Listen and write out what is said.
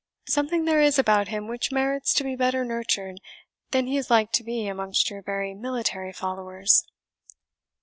Something there is about him which merits to be better nurtured than he is like to be amongst your very military followers."